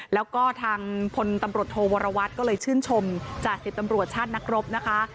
แล้วก็ทางพลตำรวจโทวรวัตรก็เลยชื่นชมจาก๑๐ตำรวจชาตินักรบนะคะ